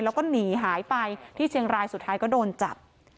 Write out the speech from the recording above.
แล้วก็หนีหายไปที่เชียงรายสุดท้ายก็โดนจับ